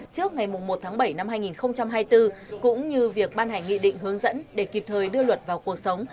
trước ngày một tháng bảy năm hai nghìn hai mươi bốn cũng như việc ban hành nghị định hướng dẫn để kịp thời đưa luật vào cuộc sống